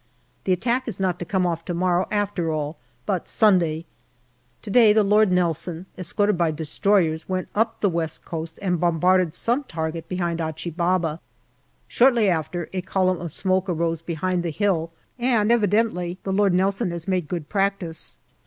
The attack is not to come off to morrow, after all, but Sunday. To day the Lord Nelson, escorted by destroyers, went up the West Coast and bombarded some target behind Achi Baba. Shortly after, a column of smoke arose behind the hill, and evidently the Lord Nelson has made good practice.